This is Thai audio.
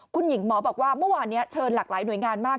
คุณหญิงหมอบอกว่าเมื่อวานนี้เชิญหลากหลายหน่วยงานมาก